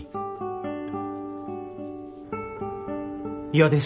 嫌です。